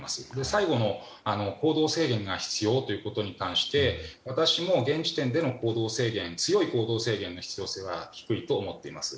最後の行動制限が必要かということに関して私も現時点での強い行動制限の必要性は低いと思っています。